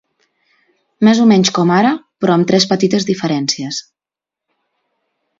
Més o menys com ara, però amb tres petites diferències.